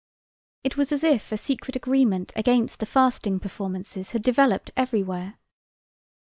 It was as if a secret agreement against the fasting performances had developed everywhere.